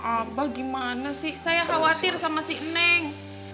abah gimana sih saya khawatir sama si neng